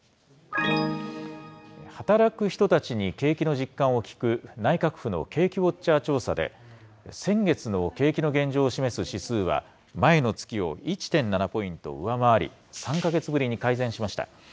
働く人たちに景気の実感を聞く内閣府の景気ウォッチャー調査で、先月の景気の現状を示す指数は、前の月を１．７ポイント上回り、３か月ぶりに改善しました。